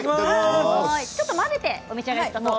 ちょっと混ぜてお召し上がりください。